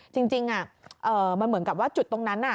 จริงจริงอ่ะเอ่อมันเหมือนกับว่าจุดตรงนั้นอ่ะ